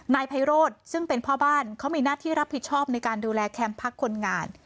นายไพโรธซึ่งเป็นพ่อบ้านเขามีหน้าที่รับผิดชอบในการดูแลแคมป์พักคนงาน